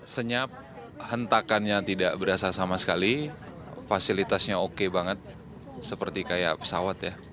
senyap hentakannya tidak berasa sama sekali fasilitasnya oke banget seperti kayak pesawat ya